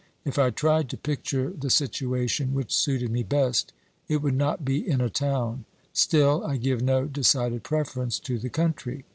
If I tried to picture the situation which suited me best, it would not be in a town ; still, I give no decided preference to the country.